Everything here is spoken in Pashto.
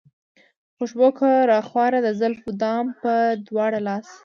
خوشبو که راخوره د زلفو دام پۀ دواړه لاسه